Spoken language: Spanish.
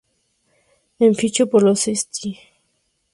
En fichó por los St.